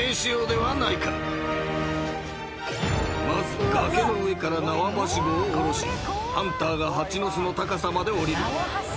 ［まず崖の上から縄ばしごを下ろしハンターが蜂の巣の高さまで下りる］